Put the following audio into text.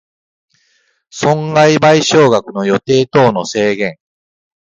損害賠償額の予定等の制限